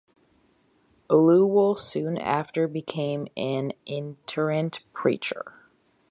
Oluwole soon after became an itinerant preacher.